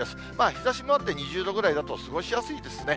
日ざしもあって、２０度ぐらいだと過ごしやすいですね。